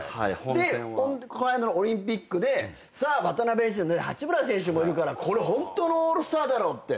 でこの間のオリンピックで渡邊選手八村選手もいるからこれホントのオールスターだろうって。